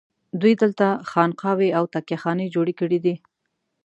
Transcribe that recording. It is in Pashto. دوی دلته خانقاوې او تکیه خانې جوړې کړي دي.